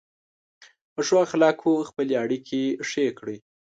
په ښو اخلاقو خپلې اړیکې ښې کړئ.